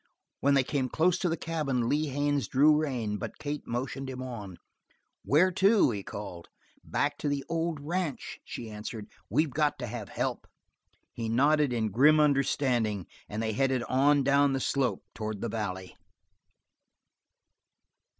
When they came close to the cabin, Lee Haines drew rein, but Kate motioned him on. "Where to?" he called. "Back to the old ranch," she answered. "We've got to have help." He nodded in grim understanding, and they headed on and down the slope towards the valley.